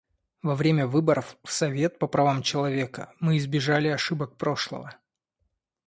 Во время выборов в Совет по правам человека мы избежали ошибок прошлого.